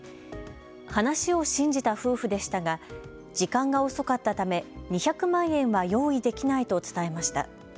話を信じた夫婦でしたが時間が遅かったため２００万円は用意できないと伝えました。